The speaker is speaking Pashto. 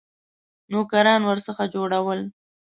نوکران ورڅخه جوړول.